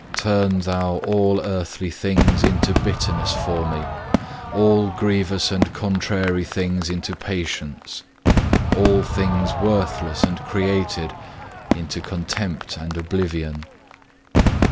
Turn thou all earthly things into bitterness for me, all grievous and contrary things into patience, all things worthless and created into contempt and oblivion.